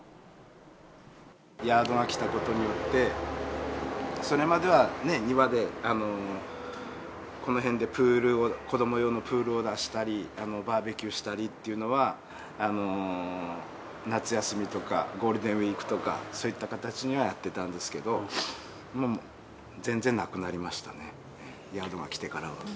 ヤードが来たことによって、それまではね、庭で、この辺でプールを、子ども用のプールを出したり、バーベキューしたりっていうのは、夏休みとかゴールデンウィークとか、そういった形にはやってたんですけど、もう全然なくなりましたね、ヤードがきてからは。